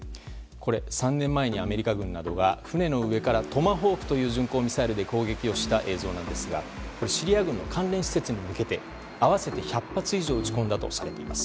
３年前にアメリカ軍などが船の上から「トマホーク」という巡航ミサイルで攻撃した映像ですがシリア軍の関連施設に向けて合わせて１００発以上撃ち込んだとされています。